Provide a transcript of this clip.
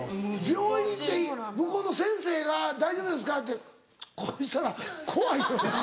病院行って向こうの先生が「大丈夫ですか？」でこうしたら怖いよな？